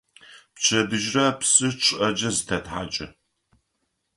Пчэдыжьрэ псы чъыӀэкӀэ зытэтхьакӀы.